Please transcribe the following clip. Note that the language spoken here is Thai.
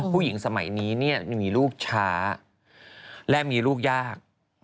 ผู้หญิงสมัยนี้มีลูกช้าและมีลูกยาก